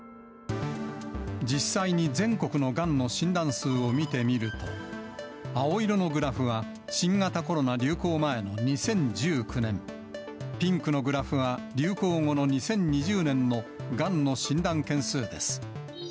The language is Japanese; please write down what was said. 実際に全国のがんの診断数を見てみると、青色のグラフは新型コロナ流行前の２０１９年、ピンクのグラフは流行後の２０２０年のがんの診断件数です。